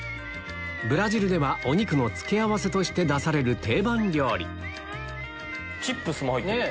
ブラジルではお肉の付け合わせとして出される定番料理チップスも入ってる。